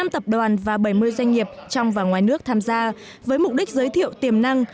một mươi năm tập đoàn và bảy mươi doanh nghiệp trong và ngoài nước tham gia với mục đích giới thiệu tiềm năng